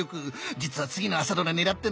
実は次の朝ドラ狙ってんだよね。